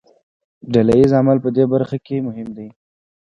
ډله ییز عمل په دې برخه کې مهم دی.